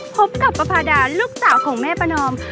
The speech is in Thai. พบกับประพาดาลูกสาวของแม่ประนอม